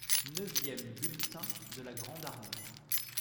Neuvième bulletin de la grande armée.